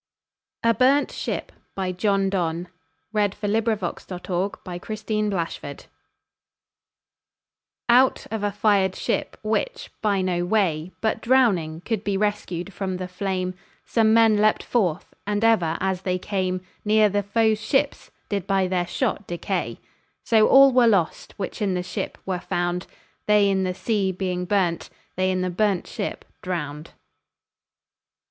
02919A Burnt ShipJohn Donne Out of a fired ship, which, by no way But drowning, could be rescued from the flame, Some men leap'd forth, and ever as they came Neere the foes ships, did by their shot decay; So all were lost, which in the ship were found, They in the sea being burnt, they in the burnt ship drown'd.